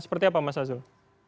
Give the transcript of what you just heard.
seperti apa mas hazul